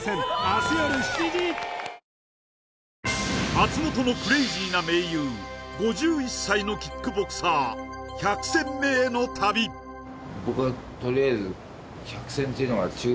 松本のクレイジーな盟友５１歳のキックボクサー１００戦目への旅えっ！？